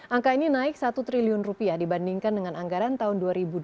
angka ini naik satu triliun rupiah dibandingkan dengan anggaran tahun dua ribu delapan belas